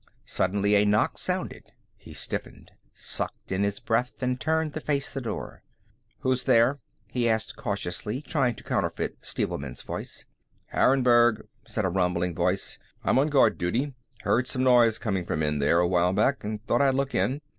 Suddenly a knock sounded. He stiffened, sucked in his breath, and turned to face the door. "Who's there?" he asked cautiously, trying to counterfeit Stevelman's voice. "Harrenburg," said a rumbling voice. "I'm on guard duty. Heard some noise coming from in there a while back, and thought I'd look in.